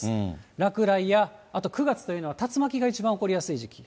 落雷や、あと９月というのは竜巻が一番起こりやすい時期。